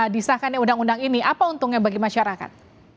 disahkannya undang undang ini apa untungnya bagi masyarakat